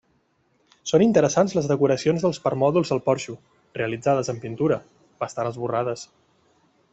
Són interessants les decoracions dels permòdols del porxo, realitzades amb pintura, bastant esborrades.